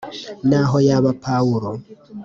naho yaba Pawulo